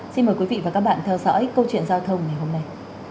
xin mời quý vị và các bạn theo dõi câu chuyện giao thông ngày hôm nay